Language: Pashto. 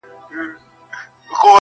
لا ایله وه رسېدلې تر بازاره !